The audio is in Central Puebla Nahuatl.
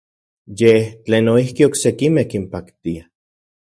Yej tlen noijki oksekimej kinpaktia.